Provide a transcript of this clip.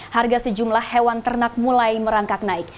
harga sejumlah hewan ternak mulai merangkak naik